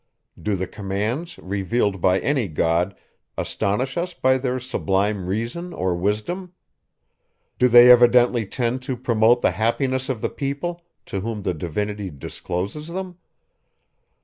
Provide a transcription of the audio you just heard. Do the commands, revealed by any God, astonish us by their sublime reason or wisdom? Do they evidently tend to promote the happiness of the people, to whom the Divinity discloses them?